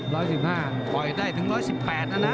ร้อยสิบห้าปล่อยได้ถึงร้อยสิบแปดแล้วนะ